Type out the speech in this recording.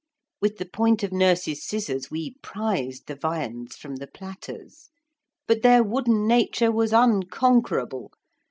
With the point of nurse's scissors we prised the viands from the platters. But their wooden nature was unconquerable.